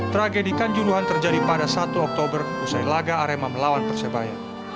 tragedi kanjuruhan terjadi pada satu oktober usai laga arema melawan persebaya